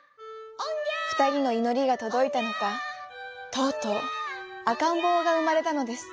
ふたりのいのりがとどいたのかとうとうあかんぼうがうまれたのです。